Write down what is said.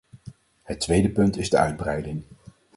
Het tweede punt is de uitbreiding.